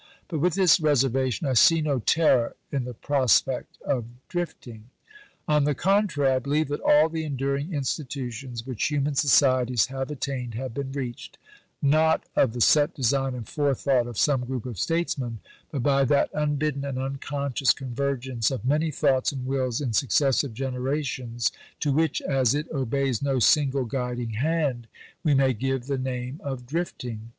But with this reservation, I see no terror in the prospect of 'drifting.' On the contrary, I believe that all the enduring institutions which human societies have attained have been reached, not of the set design and forethought of some group of statesmen, but by that unbidden and unconscious convergence of many thoughts and wills in successive generations, to which, as it obeys no single guiding hand, we may give the name of 'drifting.'